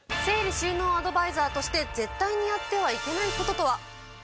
整理収納アドバイザーとして絶対にやってはいけない事とは？